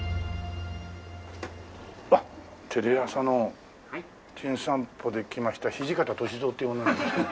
テレ朝の『じゅん散歩』で来ました土方歳三っていう者なんですけど。